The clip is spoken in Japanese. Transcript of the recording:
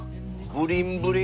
ブリンブリン！